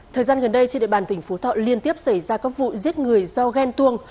thời gian gần đây trên địa bàn tỉnh phú thọ liên tiếp xảy ra các vụ giết người do ghen tuông